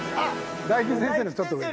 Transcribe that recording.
大吉先生よりちょっと上です。